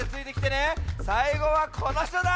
さいごはこのひとだ！